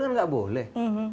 kan nggak boleh